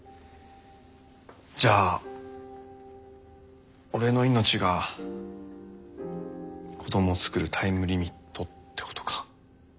じゃあ俺の命が子どもを作るタイムリミットってことか。